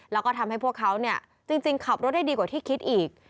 แล้วก็ทำให้พวกเขาเนี่ยจริงขับรถได้ดีกว่าที่คิดอีก